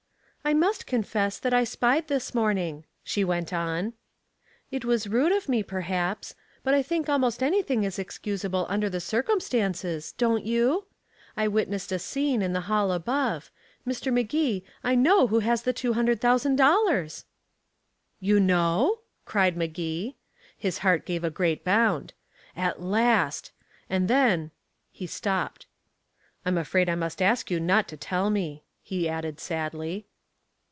"I must confess that I spied this morning," she went on. "It was rude of me, perhaps. But I think almost anything is excusable under the circumstances, don't you? I witnessed a scene in the hall above Mr. Magee, I know who has the two hundred thousand dollars!" "You know?" cried Magee. His heart gave a great bound. At last! And then he stopped. "I'm afraid I must ask you not to tell me," he added sadly.